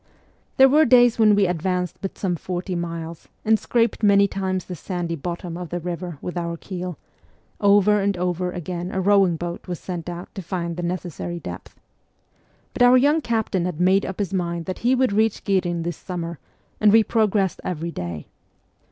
There were days when we advanced but some forty miles, and scraped many times the sandy bottom of the river with our keel ; over and over again a rowing boat was sent out to find the necessary depth. But our young captain had made up his mind that he would reach Ghirin this autumn, and we progressed every day.